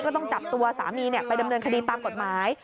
ต้องจับตัวสามีไปดำเนินคดีตามกฎหมาย